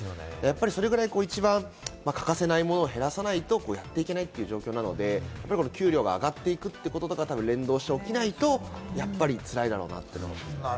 それくらい一番欠かせないものを減らさないとやっていけないという状況なので、給料が上がっていく、連動消費が起きないと、やっぱりつらいだろうなと。